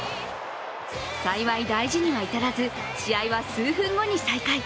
幸い、大事には至らず試合は数分後に再開。